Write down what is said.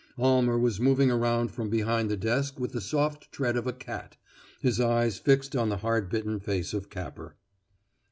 Almer was moving around from behind the desk with the soft tread of a cat, his eyes fixed on the hard bitten face of Capper.